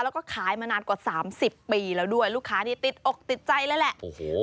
แล้วก็ขายมานานกว่าสามสิบปีแล้วด้วยลูกค้านี่ติดอกติดใจเลยแหละโอ้โห